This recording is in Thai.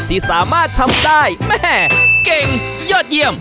ที่สามารถทำได้แม่เก่งยอดเยี่ยม